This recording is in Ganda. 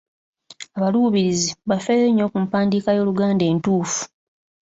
Abaluubirizi bafeeyo nnyo ku mpandiika y’Oluganda entuufu.